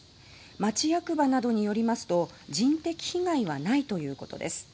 町役場などによりますと人的被害はないということです。